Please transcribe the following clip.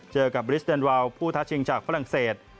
เจอกับบริสเดนวาวผู้ท้าชิงจากฝรั่งเศส